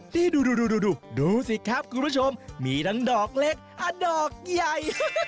นี่ดูดูสิครับคุณผู้ชมมีทั้งดอกเล็กดอกใหญ่